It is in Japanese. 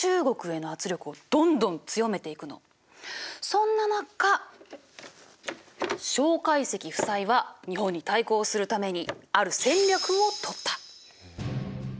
そんな中介石夫妻は日本に対抗するためにある戦略をとった。